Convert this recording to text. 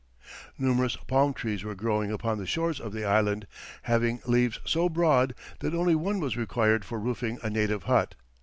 Numerous palm trees were growing upon the shores of the island, having leaves so broad that only one was required for roofing a native hut.